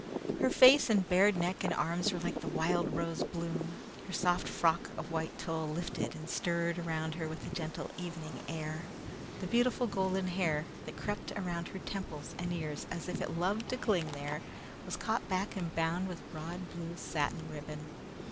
Her face and bared neck and arms were like the wild rose bloom. Her soft frock of white tulle lifted and stirred around her with the gentle evening air. The beautiful golden hair, that crept around her temples and ears as if it loved to cling there, was caught back and bound with broad blue satin ribbon.